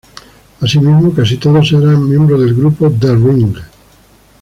Asimismo, casi todos eran miembros del grupo Der Ring.